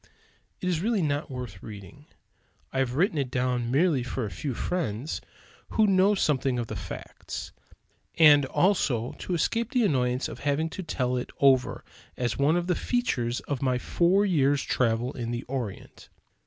It is really not worth reading. I have written it down merely for a few friends who know something of the facts; and also to escape the annoyance of having to tell it over as one of the features of my four years' travel in the Orient.